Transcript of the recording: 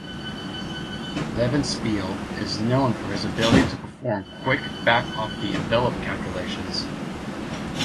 Levenspiel is known for his ability to perform quick back-of-the-envelope calculations.